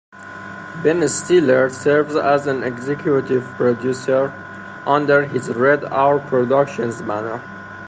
Ben Stiller serves as an executive producer under his Red Hour Productions banner.